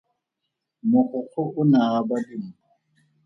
Mogokgo o ne a aba dimpho.